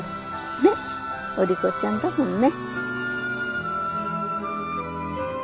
ねお利口ちゃんだもんね。